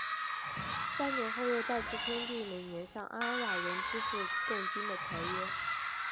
三年后又再次签订每年向阿瓦尔人支付贡金的条约。